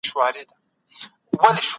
څېړنې د حقیقت موندلو لپاره ترسره کیږي.